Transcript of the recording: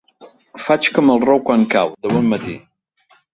Faig com el rou quan cau, de bon matí.